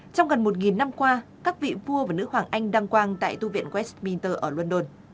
trong gần một năm qua các vị vua và nữ hoàng anh đăng quang tại tu viện westminster ở london